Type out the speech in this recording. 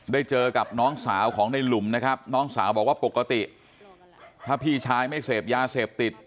ได้เจอกับน้องสาวของในหลุมนะครับน้องสาวบอกว่าปกติถ้าพี่ชายไม่เสพยาเสพติด